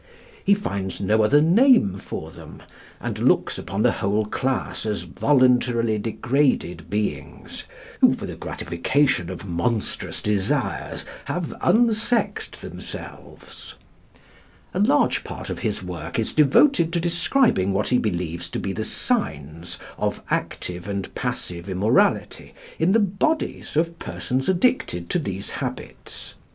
He finds no other name for them, and looks upon the whole class as voluntarily degraded beings who, for the gratification of monstrous desires, have unsexed themselves. A large part of his work is devoted to describing what he believes to be the signs of active and passive immorality in the bodies of persons addicted to these habits.